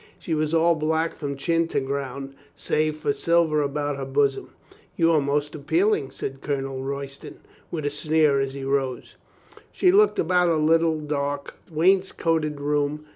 She was all black from chin to the ground, save for silver about her bosom. "You are most appealing," said Colonel Royston with a sneer as he rose. She looked about the little, dark, wainscoted room.